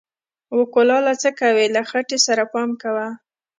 و کلاله څه کوې، له خټې سره پام کوه!